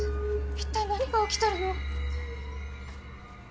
一体何が起きてるの？